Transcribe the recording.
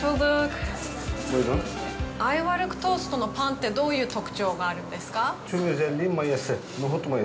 アイヴァルックトーストのパンってどういう特徴があるんですか？